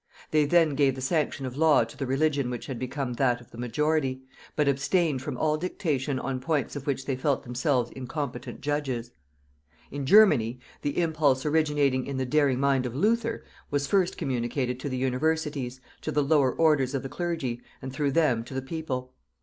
They then gave the sanction of law to the religion which had become that of the majority, but abstained from all dictation on points of which they felt themselves incompetent judges. In Germany, the impulse originating in the daring mind of Luther, was first communicated to the universities, to the lower orders of the clergy, and through them to the people.